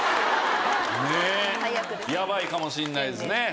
ねえやばいかもしれないですね。